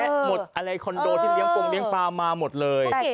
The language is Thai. หมดอะไรคอนโดที่เลี้ยปงเลี้ยปลามาหมดเลย